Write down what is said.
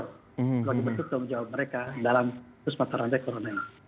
bagi berhutang jawa mereka dalam puskesmas rantaik corona ini